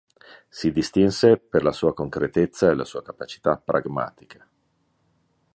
Si distinse per la sua concretezza e la sua capacità pragmatica.